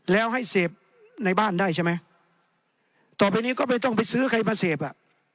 แล้วให้เสพในบ้านได้ใช่ไหมต่อไปนี้ก็ไม่ต้องไปซื้อใครมาเสพอ่ะ